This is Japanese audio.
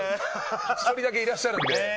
１人だけいらっしゃるんで。